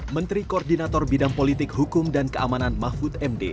menteri koordinator bidang politik hukum dan keamanan mahfud md